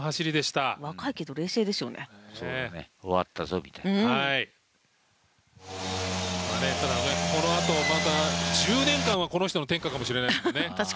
ただ、このあとまた１０年間はこの人の天下かもしれないですよね。